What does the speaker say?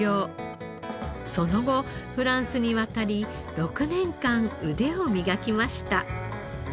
その後フランスに渡り６年間腕を磨きました。